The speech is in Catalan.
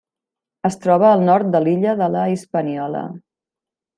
Es troba al nord de l'illa de la Hispaniola: